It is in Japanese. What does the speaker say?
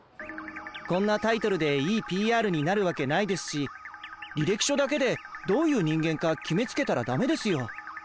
こんなタイトルでいいＰＲになるわけないですし履歴書だけでどういう人間か決めつけたら駄目ですよ。